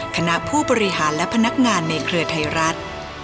คณะผู้บริหารและพนักงานในเครือไทยรัฐ